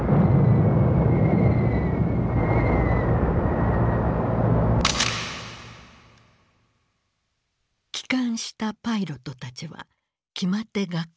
帰還したパイロットたちは決まって学校に立ち寄った。